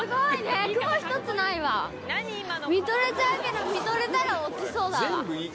見とれちゃうけど見とれたら落ちそうだわ。